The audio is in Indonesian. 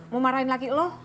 mau marahin laki lo